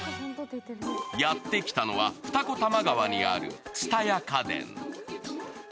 やってきたのは、二子玉川にある蔦屋家電。